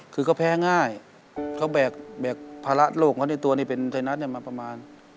คือเขาแพ้ง่ายเขาแบกภาระโลกเขาในตัวนี้เป็นไทยรัฐมาประมาณ